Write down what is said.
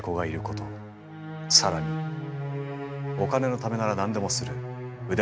更にお金のためなら何でもする腕